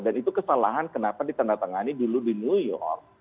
dan itu kesalahan kenapa ditandatangani dulu di new york